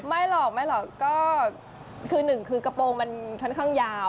ไม่หรอกไม่หรอกก็คือหนึ่งคือกระโปรงมันค่อนข้างยาว